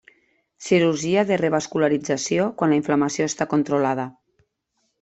Cirurgia de revascularització quan la inflamació està controlada.